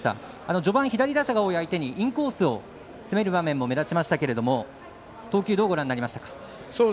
序盤左打者が多い相手にインコースを攻める場面も目立ちましたけれども投球、どうご覧になりましたか？